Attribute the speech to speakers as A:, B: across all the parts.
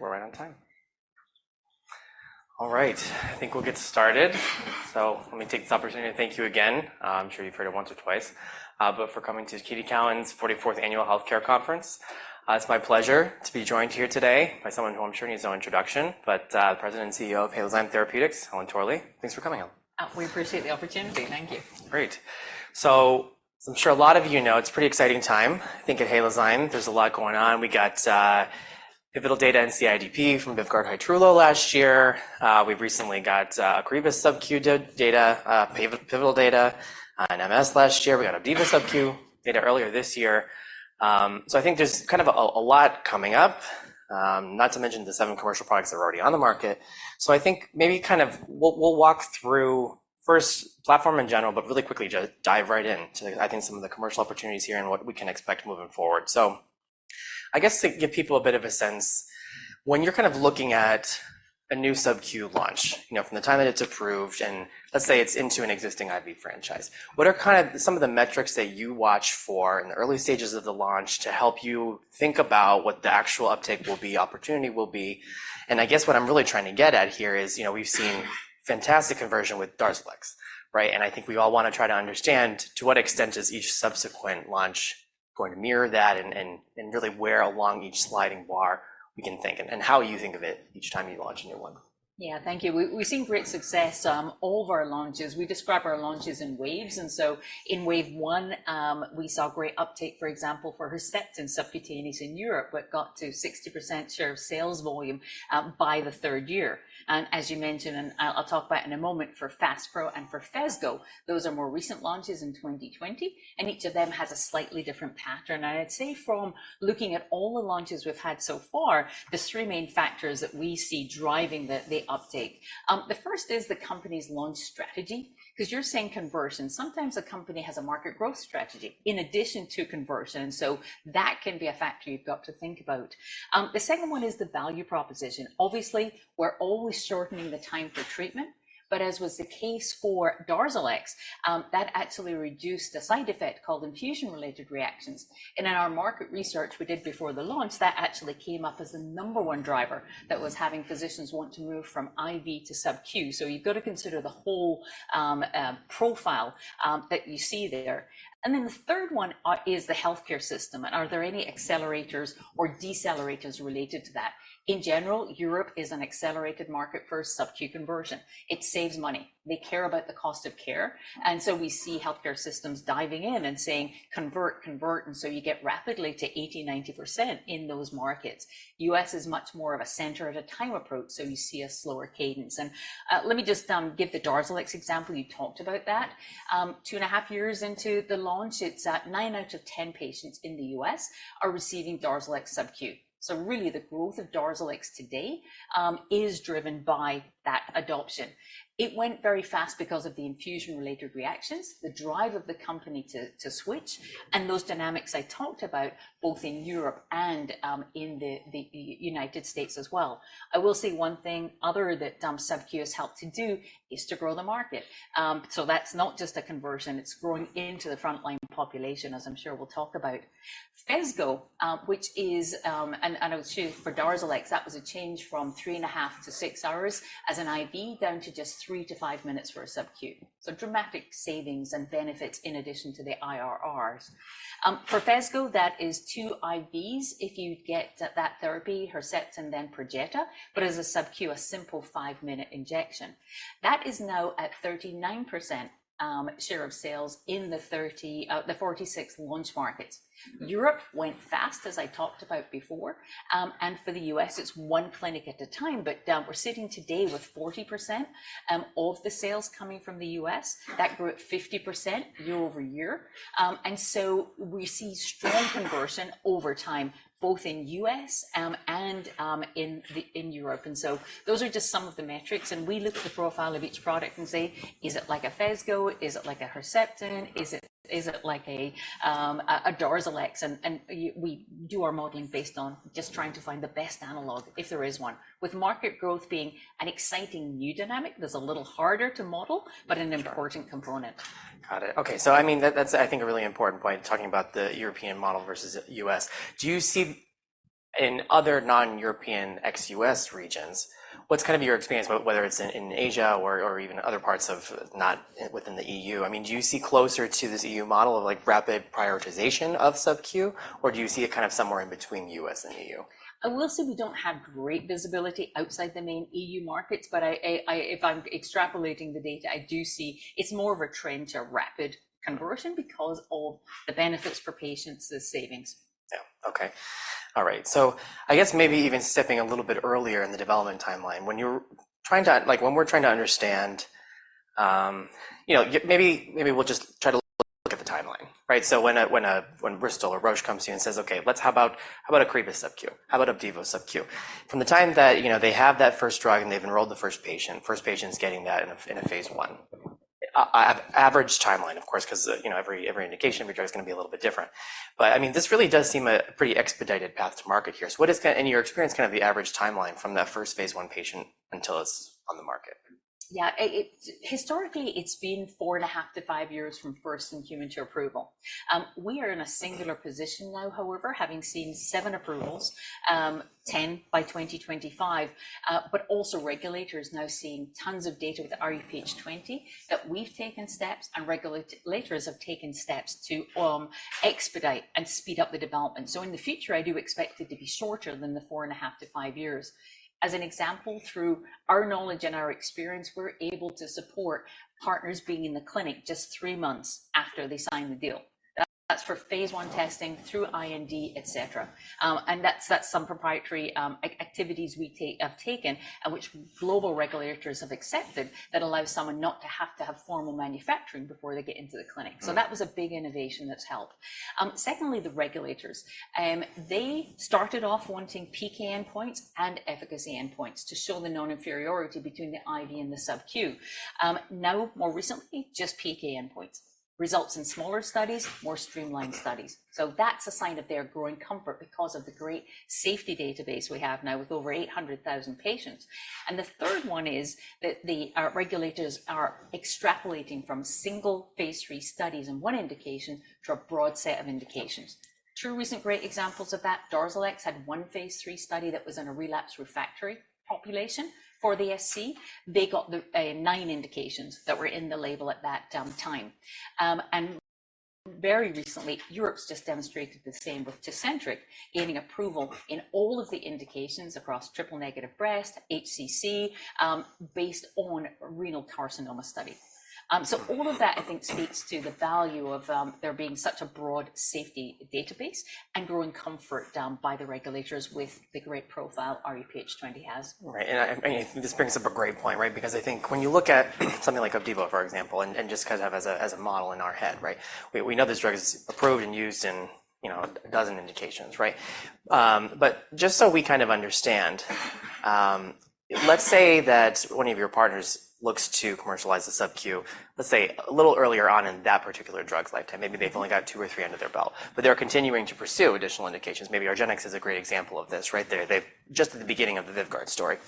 A: We're right on time. All right, I think we'll get started. So let me take this opportunity to thank you again. I'm sure you've heard it once or twice, but for coming to TD Cowen's 44th Annual Health Care Conference. It's my pleasure to be joined here today by someone who I'm sure needs no introduction, but the President and CEO of Halozyme Therapeutics, Helen Torley. Thanks for coming, Helen.
B: We appreciate the opportunity. Thank you.
A: Great. So I'm sure a lot of you know it's a pretty exciting time. I think at Halozyme, there's a lot going on. We got pivotal data in CIDP from VYVGART Hytrulo last year. We've recently got an OCREVUS sub-Q data, pivotal data, in MS last year. We got an Opdivo sub-Q data earlier this year. So I think there's kind of a lot coming up, not to mention the seven commercial products that are already on the market. So I think maybe kind of we'll walk through the platform in general, but really quickly just dive right into I think some of the commercial opportunities here and what we can expect moving forward. So I guess to give people a bit of a sense, when you're kind of looking at a new sub-Q launch, from the time that it's approved and let's say it's into an existing IV franchise, what are kind of some of the metrics that you watch for in the early stages of the launch to help you think about what the actual uptake will be, opportunity will be? And I guess what I'm really trying to get at here is we've seen fantastic conversion with DARZALEX, right? And I think we all want to try to understand to what extent is each subsequent launch going to mirror that and really where along each sliding bar we can think and how you think of it each time you launch a new one.
B: Yeah, thank you. We've seen great success all of our launches. We describe our launches in waves. So in wave one, we saw great uptake, for example, for Herceptin subcutaneous in Europe, which got to 60% share of sales volume by the third year. As you mentioned, and I'll talk about in a moment for Faspro and for Phesgo, those are more recent launches in 2020. Each of them has a slightly different pattern. I'd say from looking at all the launches we've had so far, the 3 main factors that we see driving the uptake. The first is the company's launch strategy. Because you're saying conversion, sometimes a company has a market growth strategy in addition to conversion. So that can be a factor you've got to think about. The second one is the value proposition. Obviously, we're always shortening the time for treatment. But as was the case for DARZALEX, that actually reduced a side effect called infusion-related reactions. And in our market research we did before the launch, that actually came up as the number one driver that was having physicians want to move from IV to sub-Q. So you've got to consider the whole profile that you see there. And then the third one is the healthcare system. And are there any accelerators or decelerators related to that? In general, Europe is an accelerated market for sub-Q conversion. It saves money. They care about the cost of care. And so we see healthcare systems diving in and saying, "Convert, convert." And so you get rapidly to 80%, 90% in those markets. The US is much more of a center-at-a-time approach, so you see a slower cadence. And let me just give the DARZALEX example. You talked about that. 2.5 years into the launch, it's that 9 out of 10 patients in the US are receiving DARZALEX sub-Q. So really, the growth of DARZALEX today is driven by that adoption. It went very fast because of the infusion-related reactions, the drive of the company to switch, and those dynamics I talked about both in Europe and in the United States as well. I will say one thing other that sub-Q has helped to do is to grow the market. So that's not just a conversion. It's growing into the frontline population, as I'm sure we'll talk about. Phesgo, which is and I'll choose for DARZALEX, that was a change from 3.5-6 hours as an IV down to just 3-5 minutes for a sub-Q. So dramatic savings and benefits in addition to the IRRs. For Phesgo, that is 2 IVs if you get that therapy, Herceptin then Perjeta, but as a sub-Q, a simple 5-minute injection. That is now at 39% share of sales in the 46 launch markets. Europe went fast, as I talked about before. For the US, it's one clinic at a time. We're sitting today with 40% of the sales coming from the US. That grew at 50% year-over-year. We see strong conversion over time, both in the US and in Europe. Those are just some of the metrics. We look at the profile of each product and say, "Is it like a Phesgo? Is it like a Herceptin? Is it like a DARZALEX?" We do our modeling based on just trying to find the best analog, if there is one, with market growth being an exciting new dynamic that's a little harder to model but an important component.
A: Got it. OK, so I mean, that's, I think, a really important point, talking about the European model versus US. Do you see in other non-European ex-US regions, what's kind of your experience, whether it's in Asia or even other parts of not within the EU? I mean, do you see closer to this EU model of rapid prioritization of sub-Q, or do you see it kind of somewhere in between the US and the EU?
B: I will say we don't have great visibility outside the main EU markets. But if I'm extrapolating the data, I do see it's more of a trend to rapid conversion because of the benefits for patients, the savings.
A: Yeah, OK. All right, so I guess maybe even stepping a little bit earlier in the development timeline, when we're trying to understand maybe we'll just try to look at the timeline, right? So when Bristol or Roche comes to you and says, "OK, how about a OCREVUS sub-Q? How about a Opdivo sub-Q?" From the time that they have that first drug and they've enrolled the first patient, first patient's getting that in a phase one, average timeline, of course, because every indication, every drug is going to be a little bit different. But I mean, this really does seem a pretty expedited path to market here. So what is, in your experience, kind of the average timeline from that first phase one patient until it's on the market?
B: Yeah, historically, it's been 4.5-5 years from first in human to approval. We are in a singular position now, however, having seen 7 approvals, 10 by 2025. But also, regulators now seeing tons of data with rHuPH20 that we've taken steps and regulators have taken steps to expedite and speed up the development. So in the future, I do expect it to be shorter than the 4.5-5 years. As an example, through our knowledge and our experience, we're able to support partners being in the clinic just 3 months after they sign the deal. That's for phase 1 testing through IND, et cetera. And that's some proprietary activities we have taken which global regulators have accepted that allows someone not to have to have formal manufacturing before they get into the clinic. So that was a big innovation that's helped. Secondly, the regulators, they started off wanting peak endpoints and efficacy endpoints to show the non-inferiority between the IV and the sub-Q. Now, more recently, just peak endpoints results in smaller studies, more streamlined studies. So that's a sign of their growing comfort because of the great safety database we have now with over 800,000 patients. And the third one is that the regulators are extrapolating from single phase 3 studies and one indication to a broad set of indications. Two recent great examples of that, DARZALEX had one phase 3 study that was in a relapse refractory population for the SC. They got nine indications that were in the label at that time. And very recently, Europe has just demonstrated the same with TECENTRIQ, gaining approval in all of the indications across triple-negative breast, HCC, based on renal carcinoma study. All of that, I think, speaks to the value of there being such a broad safety database and growing comfort by the regulators with the great profile rHuPH20 has.
A: Right, and I think this brings up a great point, right? Because I think when you look at something like Opdivo, for example, and just kind of have as a model in our head, right, we know this drug is approved and used in 12 indications, right? But just so we kind of understand, let's say that one of your partners looks to commercialize the sub-Q, let's say, a little earlier on in that particular drug's lifetime. Maybe they've only got two or three under their belt. But they're continuing to pursue additional indications. Maybe Argenics is a great example of this, right? They're just at the beginning of the VYVGART story.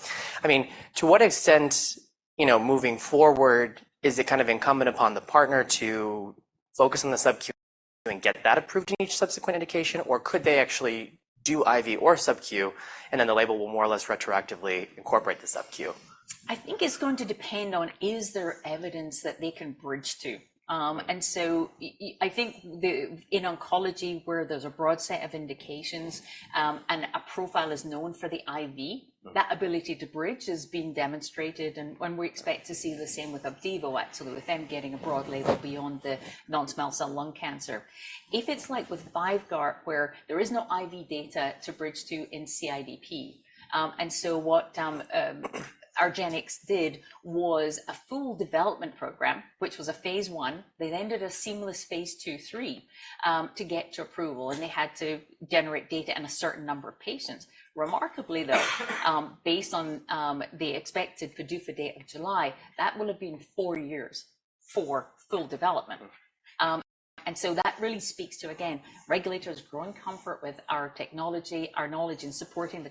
A: I mean, to what extent, moving forward, is it kind of incumbent upon the partner to focus on the sub-Q and get that approved in each subsequent indication? Or could they actually do IV or sub-Q, and then the label will more or less retroactively incorporate the sub-Q?
B: I think it's going to depend on is there evidence that they can bridge to. And so I think in oncology, where there's a broad set of indications and a profile is known for the IV, that ability to bridge has been demonstrated. And we expect to see the same with Opdivo, actually, with them getting a broad label beyond the non-small cell lung cancer. If it's like with VYVGART, where there is no IV data to bridge to in CIDP, and so what argenx did was a full development program, which was a phase 1. They then did a seamless phase 2, 3, to get to approval. And they had to generate data in a certain number of patients. Remarkably, though, based on the expected PDUFA date of July, that would have been 4 years for full development. And so that really speaks to, again, regulators' growing comfort with our technology, our knowledge, and supporting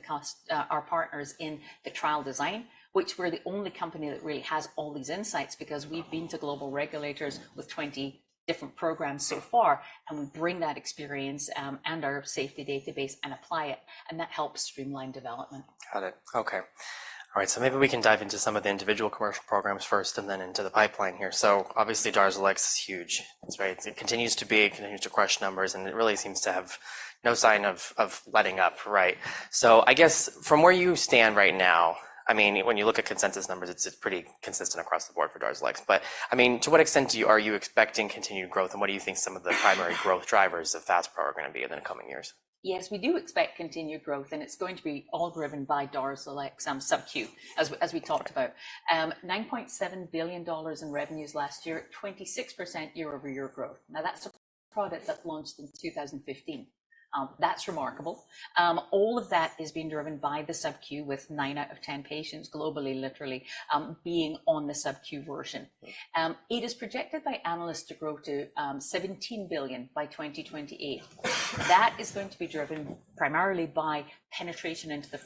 B: our partners in the trial design, which we're the only company that really has all these insights because we've been to global regulators with 20 different programs so far. And we bring that experience and our safety database and apply it. And that helps streamline development.
A: Got it, OK. All right, so maybe we can dive into some of the individual commercial programs first and then into the pipeline here. So obviously, DARZALEX is huge, right? It continues to be, it continues to crush numbers. And it really seems to have no sign of letting up, right? So I guess from where you stand right now, I mean, when you look at consensus numbers, it's pretty consistent across the board for DARZALEX. But I mean, to what extent are you expecting continued growth? And what do you think some of the primary growth drivers of FASPRO are going to be in the coming years?
B: Yes, we do expect continued growth. It's going to be all driven by DARZALEX sub-Q, as we talked about, $9.7 billion in revenues last year, 26% year-over-year growth. Now, that's a product that's launched in 2015. That's remarkable. All of that is being driven by the sub-Q, with nine out of 10 patients globally, literally, being on the sub-Q version. It is projected by analysts to grow to $17 billion by 2028. That is going to be driven primarily by penetration into the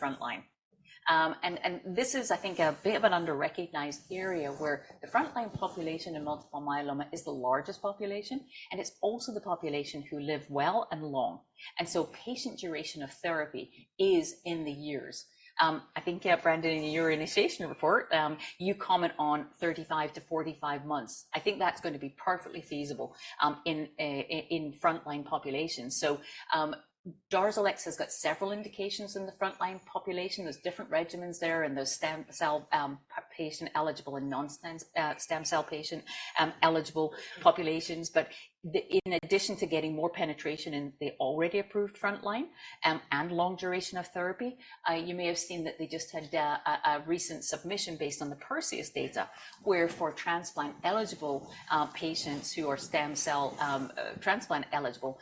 B: frontline. This is, I think, a bit of an underrecognized area where the frontline population in multiple myeloma is the largest population. It's also the population who live well and long. So patient duration of therapy is in the years. I think, Brendan, in your initiation report, you comment on 35-45 months. I think that's going to be perfectly feasible in frontline populations. So DARZALEX has got several indications in the frontline population. There's different regimens there. And there's stem cell patient eligible and non-stem cell patient eligible populations. But in addition to getting more penetration in the already approved frontline and long duration of therapy, you may have seen that they just had a recent submission based on the PERSEUS data where, for transplant-eligible patients who are stem cell transplant-eligible,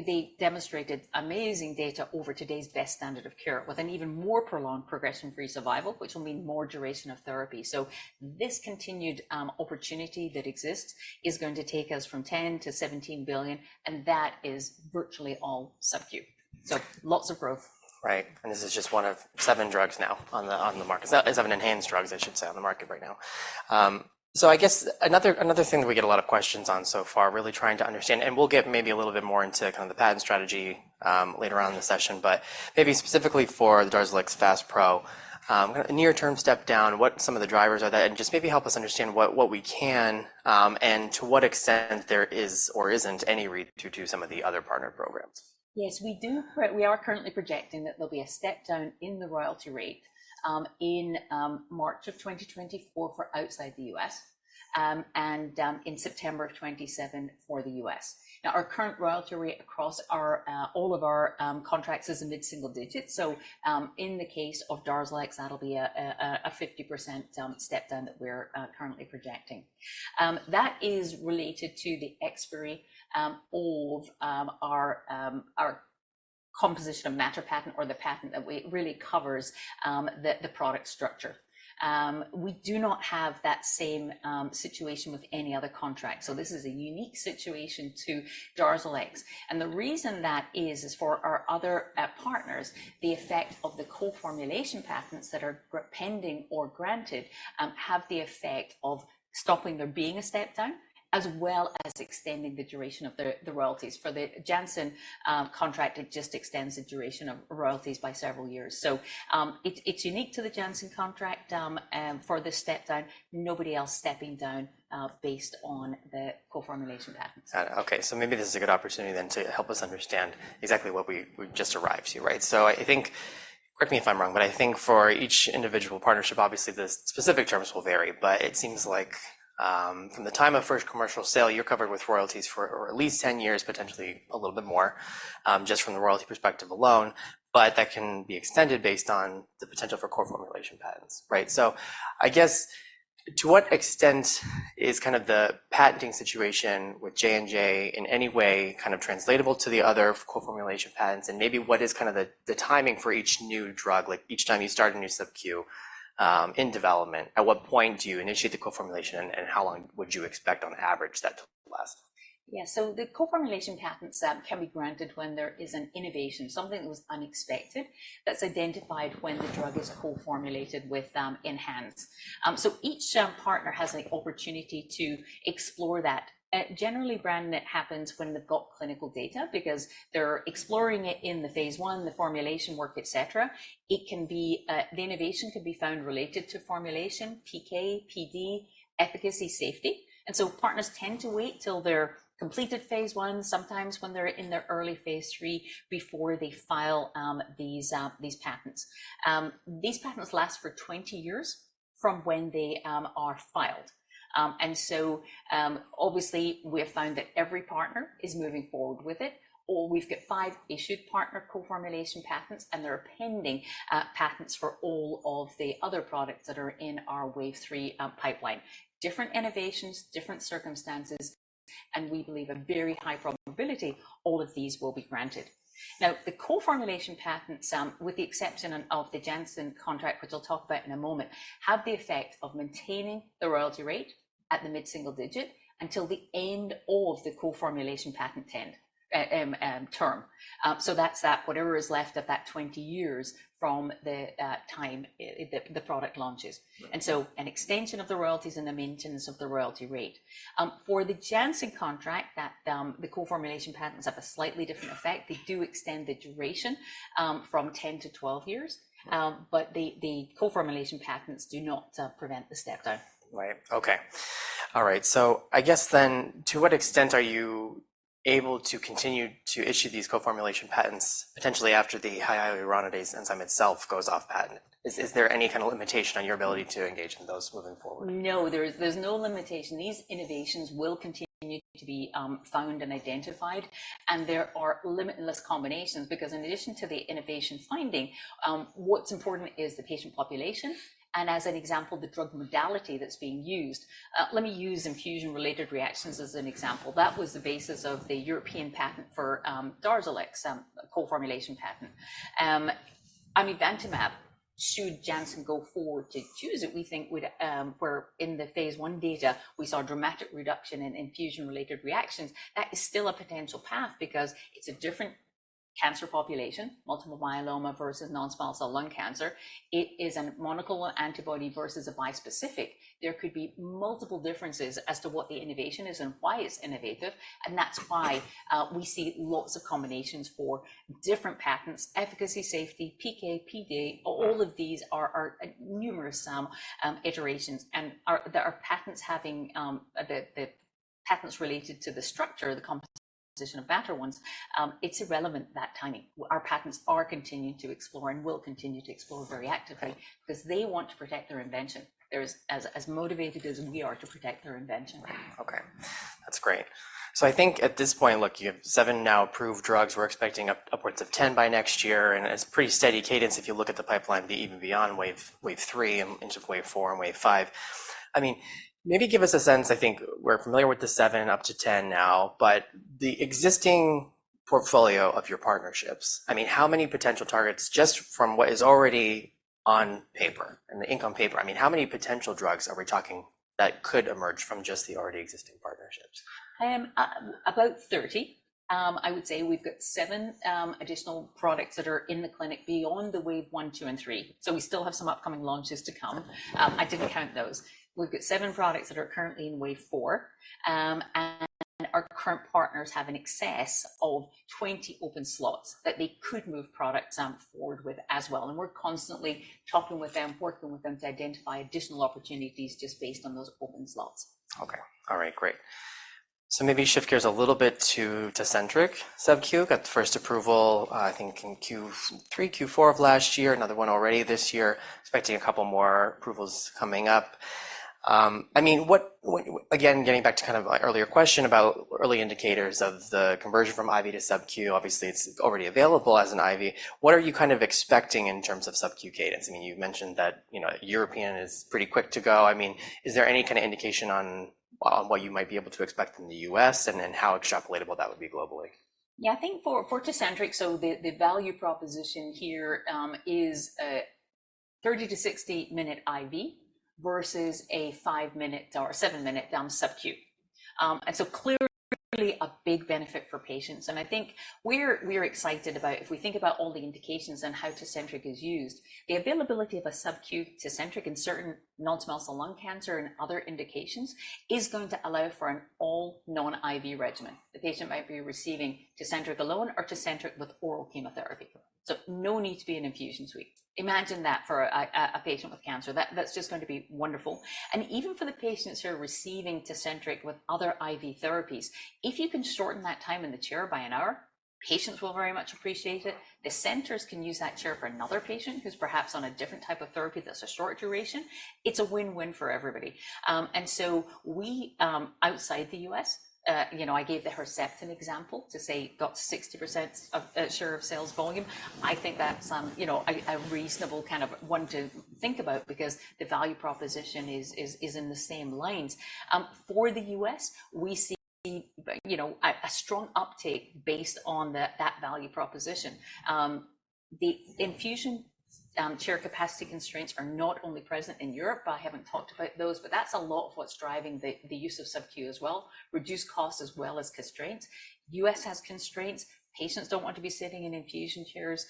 B: they demonstrated amazing data over today's best standard of care with an even more prolonged progression-free survival, which will mean more duration of therapy. So this continued opportunity that exists is going to take us from $10 billion-$17 billion. And that is virtually all sub-Q. So lots of growth.
A: Right, and this is just one of seven drugs now on the market, seven enhanced drugs, I should say, on the market right now. So I guess another thing that we get a lot of questions on so far, really trying to understand, and we'll get maybe a little bit more into kind of the patent strategy later on in the session, but maybe specifically for the DARZALEX FASPRO, a near-term step down, what some of the drivers are that? And just maybe help us understand what we can and to what extent there is or isn't any read-through to some of the other partner programs.
B: Yes, we are currently projecting that there'll be a step down in the royalty rate in March of 2024 for outside the US and in September of 2027 for the US. Now, our current royalty rate across all of our contracts is a mid-single digit. So in the case of DARZALEX, that'll be a 50% step down that we're currently projecting. That is related to the expiry of our composition of matter patent or the patent that really covers the product structure. We do not have that same situation with any other contract. So this is a unique situation to DARZALEX. And the reason that is, is for our other partners, the effect of the co-formulation patents that are pending or granted have the effect of stopping there being a step down as well as extending the duration of the royalties. For the Janssen contract, it just extends the duration of royalties by several years. So it's unique to the Janssen contract for this step down, nobody else stepping down based on the co-formulation patents.
A: Got it, OK, so maybe this is a good opportunity then to help us understand exactly what we just arrived to, right? So I think correct me if I'm wrong, but I think for each individual partnership, obviously, the specific terms will vary. But it seems like from the time of first commercial sale, you're covered with royalties for at least 10 years, potentially a little bit more, just from the royalty perspective alone. But that can be extended based on the potential for co-formulation patents, right? So I guess to what extent is kind of the patenting situation with J&J in any way kind of translatable to the other co-formulation patents? And maybe what is kind of the timing for each new drug, like each time you start a new sub-Q in development? At what point do you initiate the co-formulation? How long would you expect, on average, that to last?
B: Yeah, so the co-formulation patents can be granted when there is an innovation, something that was unexpected that's identified when the drug is co-formulated with ENHANZE. So each partner has an opportunity to explore that. Generally, Brendan, it happens when they've got clinical data because they're exploring it in the phase one, the formulation work, et cetera. The innovation could be found related to formulation, PK, PD, efficacy, safety. And so partners tend to wait till they're completed phase one, sometimes when they're in their early phase three, before they file these patents. These patents last for 20 years from when they are filed. And so obviously, we have found that every partner is moving forward with it. Or we've got five issued partner co-formulation patents. And there are pending patents for all of the other products that are in our wave three pipeline, different innovations, different circumstances. We believe a very high probability all of these will be granted. Now, the co-formulation patents, with the exception of the Janssen contract, which I'll talk about in a moment, have the effect of maintaining the royalty rate at the mid-single digit until the end of the co-formulation patent term. So that's whatever is left of that 20 years from the time the product launches. And so an extension of the royalties and the maintenance of the royalty rate. For the Janssen contract, the co-formulation patents have a slightly different effect. They do extend the duration from 10-12 years. But the co-formulation patents do not prevent the step down.
A: Right, OK. All right, so I guess then to what extent are you able to continue to issue these co-formulation patents potentially after the hyaluronidase enzyme itself goes off patent? Is there any kind of limitation on your ability to engage in those moving forward? No, there's no limitation. These innovations will continue to be found and identified. There are limitless combinations because in addition to the innovation finding, what's important is the patient population and, as an example, the drug modality that's being used. Let me use infusion-related reactions as an example. That was the basis of the European patent for DARZALEX, co-formulation patent. Amivantamab, should Janssen go forward to choose it, we think where in the phase 1 data, we saw dramatic reduction in infusion-related reactions, that is still a potential path because it's a different cancer population, multiple myeloma versus non-small cell lung cancer. It is a monoclonal antibody versus a bispecific. There could be multiple differences as to what the innovation is and why it's innovative. That's why we see lots of combinations for different patents, efficacy, safety, PK, PD. All of these are numerous iterations. There are patents related to the structure, the composition of biobetter ones. It's irrelevant, the timing. Our partners are continuing to explore and will continue to explore very actively because they want to protect their invention as motivated as we are to protect our invention. OK, that's great. So I think at this point, look, you have 7 now approved drugs. We're expecting upwards of 10 by next year. And it's a pretty steady cadence if you look at the pipeline, even beyond wave three, into wave four and wave five. I mean, maybe give us a sense. I think we're familiar with the 7 up to 10 now. But the existing portfolio of your partnerships, I mean, how many potential targets just from what is already on paper and the ink on paper, I mean, how many potential drugs are we talking that could emerge from just the already existing partnerships?
B: About 30, I would say. We've got 7 additional products that are in the clinic beyond the wave 1, 2, and 3. We still have some upcoming launches to come. I didn't count those. We've got 7 products that are currently in wave 4. Our current partners have an excess of 20 open slots that they could move products forward with as well. We're constantly talking with them, working with them to identify additional opportunities just based on those open slots.
A: OK, all right, great. So maybe shift gears a little bit to TECENTRIQ sub-Q. Got the first approval, I think, in Q3, Q4 of last year, another one already this year, expecting a couple more approvals coming up. I mean, again, getting back to kind of my earlier question about early indicators of the conversion from IV to sub-Q, obviously, it's already available as an IV. What are you kind of expecting in terms of sub-Q cadence? I mean, you mentioned that Europe is pretty quick to go. I mean, is there any kind of indication on what you might be able to expect in the US and how extrapolatable that would be globally?
B: Yeah, I think for TECENTRIQ, so the value proposition here is a 30-60-minute IV versus a 5-minute or 7-minute sub-Q. And so clearly a big benefit for patients. And I think we're excited about if we think about all the indications and how TECENTRIQ is used, the availability of a sub-Q TECENTRIQ in certain non-small cell lung cancer and other indications is going to allow for an all non-IV regimen. The patient might be receiving TECENTRIQ alone or TECENTRIQ with oral chemotherapy. So no need to be in infusion suite. Imagine that for a patient with cancer. That's just going to be wonderful. And even for the patients who are receiving TECENTRIQ with other IV therapies, if you can shorten that time in the chair by 1 hour, patients will very much appreciate it. The centers can use that chair for another patient who's perhaps on a different type of therapy that's a short duration. It's a win-win for everybody. And so outside the US, I gave the Herceptin example to say got 60% share of sales volume. I think that's a reasonable kind of one to think about because the value proposition is in the same lines. For the US, we see a strong uptake based on that value proposition. The infusion chair capacity constraints are not only present in Europe. I haven't talked about those. But that's a lot of what's driving the use of sub-Q as well, reduced costs as well as constraints. US has constraints. Patients don't want to be sitting in infusion chairs.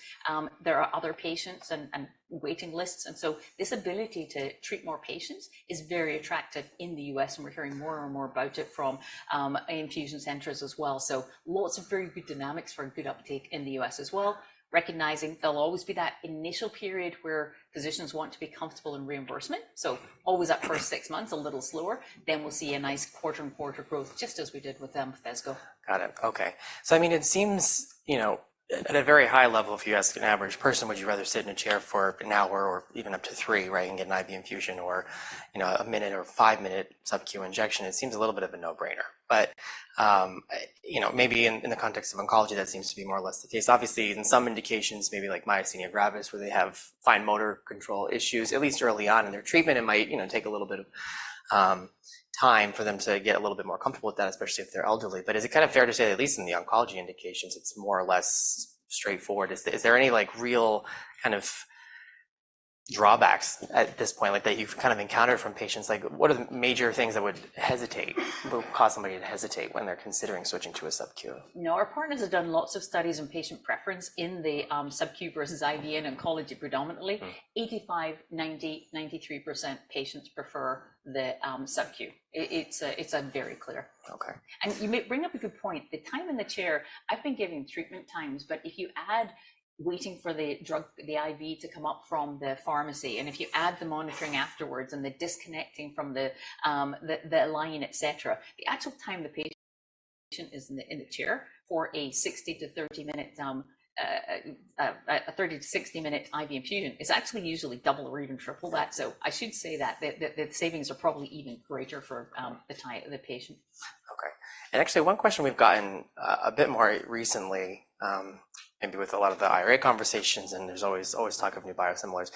B: There are other patients and waiting lists. And so this ability to treat more patients is very attractive in the US. We're hearing more and more about it from infusion centers as well. Lots of very good dynamics for good uptake in the US as well, recognizing there'll always be that initial period where physicians want to be comfortable in reimbursement, so always up first six months, a little slower. Then we'll see a nice quarter-over-quarter growth just as we did with Phesgo.
A: Got it, OK. So I mean, it seems at a very high level, if you ask an average person, would you rather sit in a chair for 1 hour or even up to 3, right, and get an IV infusion or 1 minute or 5-minute sub-Q injection? It seems a little bit of a no-brainer. But maybe in the context of oncology, that seems to be more or less the case. Obviously, in some indications, maybe like myasthenia gravis, where they have fine motor control issues, at least early on in their treatment, it might take a little bit of time for them to get a little bit more comfortable with that, especially if they're elderly. But is it kind of fair to say, at least in the oncology indications, it's more or less straightforward? Is there any real kind of drawbacks at this point that you've kind of encountered from patients? What are the major things that would hesitate, would cause somebody to hesitate when they're considering switching to a sub-Q?
B: No, our partners have done lots of studies on patient preference in the sub-Q versus IV in oncology predominantly. 85%, 90%, 93% patients prefer the sub-Q. It's very clear. And you bring up a good point. The time in the chair, I've been giving treatment times. But if you add waiting for the drug, the IV, to come up from the pharmacy, and if you add the monitoring afterwards and the disconnecting from the line, et cetera, the actual time the patient is in the chair for a 30- to 60-minute IV infusion is actually usually double or even triple that. So I should say that the savings are probably even greater for the patient.
A: OK, and actually, one question we've gotten a bit more recently, maybe with a lot of the IRA conversations, and there's always talk of new biosimilars.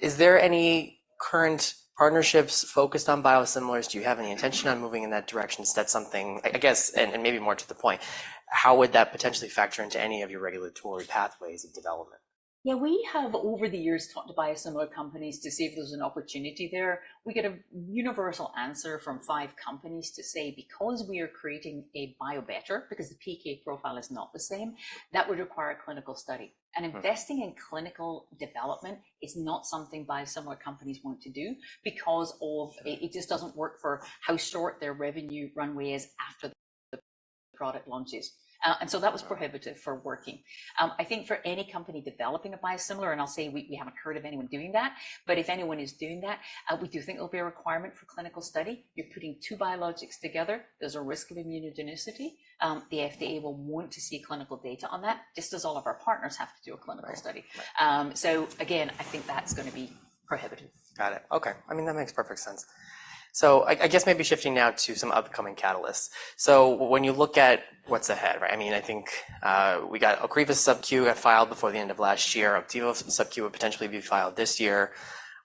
A: Is there any current partnerships focused on biosimilars? Do you have any intention on moving in that direction? Is that something, I guess, and maybe more to the point, how would that potentially factor into any of your regulatory pathways of development?
B: Yeah, we have, over the years, talked to biosimilar companies to see if there's an opportunity there. We get a universal answer from five companies to say, because we are creating a biobetter, because the PK profile is not the same, that would require a clinical study. And investing in clinical development is not something biosimilar companies want to do because it just doesn't work for how short their revenue runway is after the product launches. And so that was prohibitive for working. I think for any company developing a biosimilar, and I'll say we haven't heard of anyone doing that, but if anyone is doing that, we do think it'll be a requirement for clinical study. You're putting two biologics together. There's a risk of immunogenicity. The FDA will want to see clinical data on that, just as all of our partners have to do a clinical study. So again, I think that's going to be prohibitive.
A: Got it, OK. I mean, that makes perfect sense. So I guess maybe shifting now to some upcoming catalysts. So when you look at what's ahead, right, I mean, I think we got Ocrevus's sub-Q got filed before the end of last year. Opdivo's sub-Q would potentially be filed this year.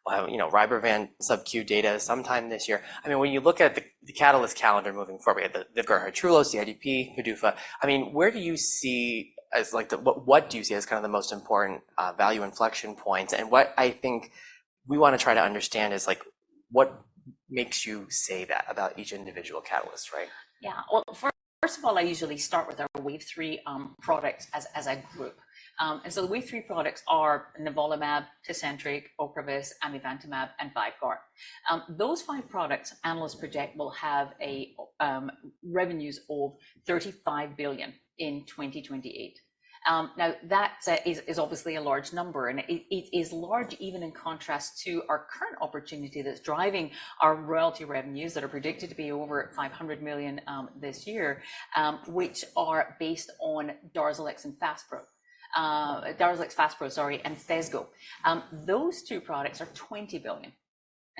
A: We'll have RYBREVANT sub-Q data sometime this year. I mean, when you look at the catalyst calendar moving forward, we have the VYVGART Hytrulo, the CIDP, PDUFA. I mean, where do you see what do you see as kind of the most important value inflection points? And what I think we want to try to understand is what makes you say that about each individual catalyst, right?
B: Yeah, well, first of all, I usually start with our wave three products as a group. So the wave three products are nivolumab, Tecentriq, OCREVUS, amivantamab, and VYVGART. Those five products, analysts project, will have revenues of $35 billion in 2028. Now, that is obviously a large number. And it is large even in contrast to our current opportunity that's driving our royalty revenues that are predicted to be over $500 million this year, which are based on DARZALEX and DARZALEX FASPRO, DARZALEX, DARZALEX FASPRO, sorry, and Phesgo. Those two products are $20 billion.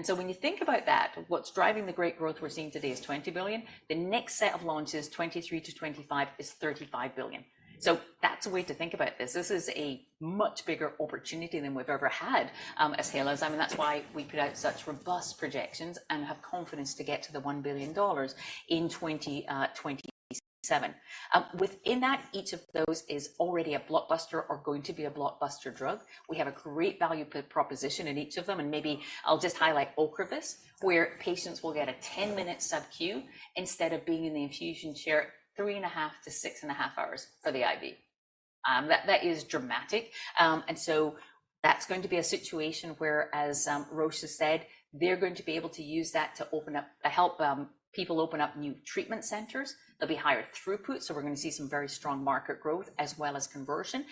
B: So when you think about that, what's driving the great growth we're seeing today is $20 billion. The next set of launches, 2023 to 2025, is $35 billion. That's a way to think about this. This is a much bigger opportunity than we've ever had as Halozyme. I mean, that's why we put out such robust projections and have confidence to get to the $1 billion in 2027. Within that, each of those is already a blockbuster or going to be a blockbuster drug. We have a great value proposition in each of them. Maybe I'll just highlight OCREVUS, where patients will get a 10-minute sub-Q instead of being in the infusion chair 3.5-6.5 hours for the IV. That is dramatic. So that's going to be a situation where, as Roche said, they're going to be able to use that to help people open up new treatment centers. They'll be higher throughput. So we're going to see some very strong market growth as well as conversion.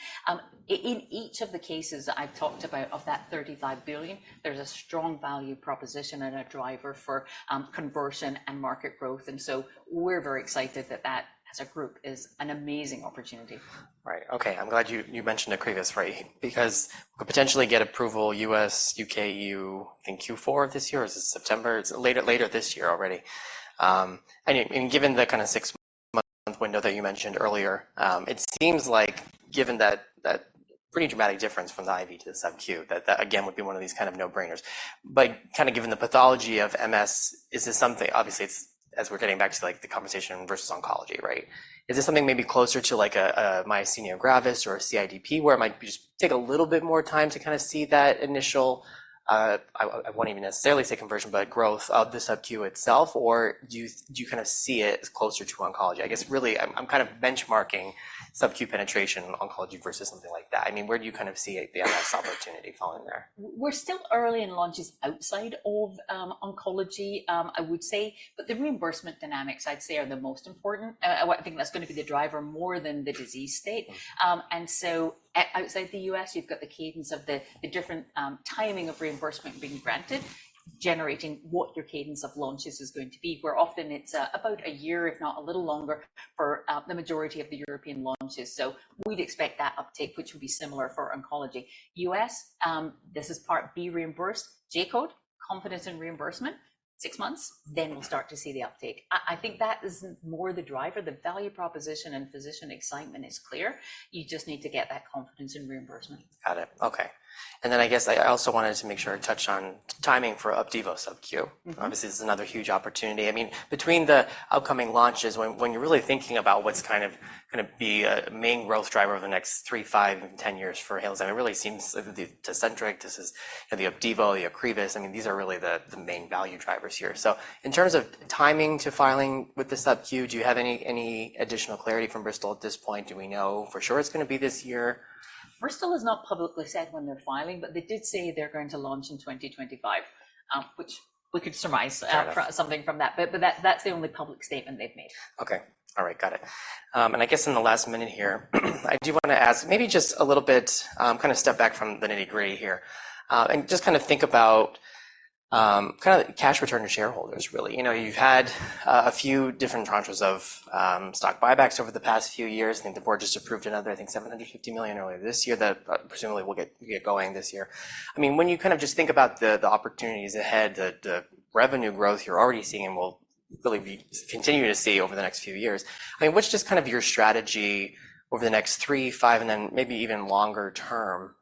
B: In each of the cases that I've talked about of that $35 billion, there's a strong value proposition and a driver for conversion and market growth. And so we're very excited that that, as a group, is an amazing opportunity.
A: Right, OK. I'm glad you mentioned OCREVUS, right, because we could potentially get approval US, UK, EU, I think Q4 of this year, or is it September? It's later this year already. And given the kind of six-month window that you mentioned earlier, it seems like, given that pretty dramatic difference from the IV to the sub-Q, that, again, would be one of these kind of no-brainers. But kind of given the pathology of MS, is this something obviously, as we're getting back to the conversation versus oncology, right, is this something maybe closer to a myasthenia gravis or a CIDP, where it might just take a little bit more time to kind of see that initial I won't even necessarily say conversion, but growth of the sub-Q itself? Or do you kind of see it as closer to oncology? I guess, really, I'm kind of benchmarking sub-Q penetration in oncology versus something like that. I mean, where do you kind of see the MS opportunity falling there?
B: We're still early in launches outside of oncology, I would say. But the reimbursement dynamics, I'd say, are the most important. I think that's going to be the driver more than the disease state. And so outside the US, you've got the cadence of the different timing of reimbursement being granted, generating what your cadence of launches is going to be, where often it's about a year, if not a little longer, for the majority of the European launches. So we'd expect that uptake, which would be similar for oncology. US, this is Part B reimbursed, J-code, confidence in reimbursement, six months. Then we'll start to see the uptake. I think that is more the driver. The value proposition and physician excitement is clear. You just need to get that confidence in reimbursement.
A: Got it, OK. And then I guess I also wanted to make sure I touched on timing for Opdivo sub-Q. Obviously, this is another huge opportunity. I mean, between the upcoming launches, when you're really thinking about what's kind of going to be a main growth driver over the next three, five, and 10 years for Halozyme, it really seems to TECENTRIQ, this is the Opdivo, the OCREVUS. I mean, these are really the main value drivers here. So in terms of timing to filing with the sub-Q, do you have any additional clarity from Bristol at this point? Do we know for sure it's going to be this year?
B: Bristol has not publicly said when they're filing. But they did say they're going to launch in 2025, which we could surmise something from that. But that's the only public statement they've made.
A: OK, all right, got it. I guess in the last minute here, I do want to ask maybe just a little bit kind of step back from the nitty-gritty here and just kind of think about kind of cash return to shareholders, really. You've had a few different tranches of stock buybacks over the past few years. I think the board just approved another, I think $750 million earlier this year that presumably will get going this year. I mean, when you kind of just think about the opportunities ahead, the revenue growth you're already seeing and will really continue to see over the next few years, I mean, what's just kind of your strategy over the next 3, 5, and then maybe even longer term?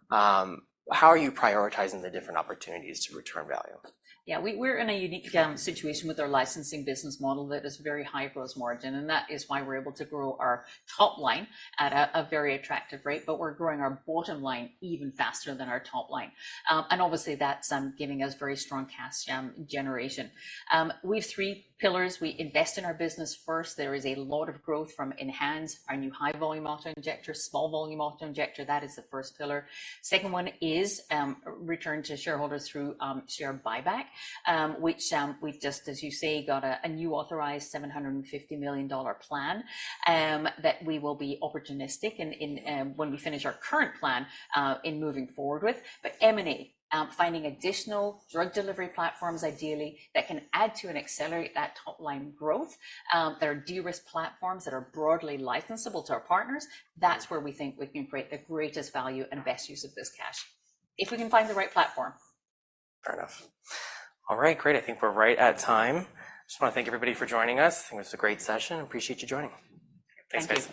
A: How are you prioritizing the different opportunities to return value?
B: Yeah, we're in a unique situation with our licensing business model that is very high gross margin. And that is why we're able to grow our top line at a very attractive rate. But we're growing our bottom line even faster than our top line. And obviously, that's giving us very strong cash generation. We have three pillars. We invest in our business first. There is a lot of growth from ENHANZE, our new high-volume auto injector, small-volume auto injector. That is the first pillar. Second one is return to shareholders through share buyback, which we've just, as you say, got a new authorized $750 million plan that we will be opportunistic in when we finish our current plan in moving forward with. But M&A, finding additional drug delivery platforms, ideally, that can add to and accelerate that top line growth. There are de-risk platforms that are broadly licensable to our partners. That's where we think we can create the greatest value and best use of this cash, if we can find the right platform.
A: Fair enough. All right, great. I think we're right at time. I just want to thank everybody for joining us. I think it was a great session. Appreciate you joining. Thanks, guys.